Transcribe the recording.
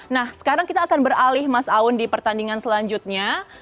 nah sekarang kita akan beralih mas aun di pertandingan selanjutnya